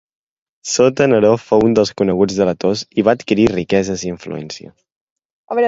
Sota Neró fou un dels coneguts delators i va adquirir riqueses i influencia.